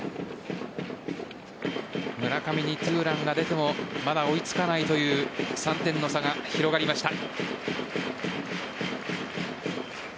村上に２ランが出てもまだ追いつかないという３点の差が広がりました。